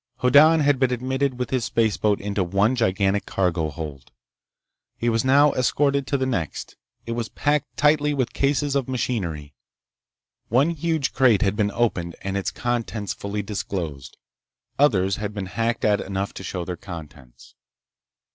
Hoddan had been admitted with his spaceboat into one gigantic cargo hold. He was now escorted to the next. It was packed tightly with cases of machinery. One huge crate had been opened and its contents fully disclosed. Others had been hacked at enough to show their contents.